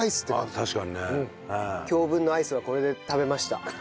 確かにね。今日分のアイスはこれで食べました。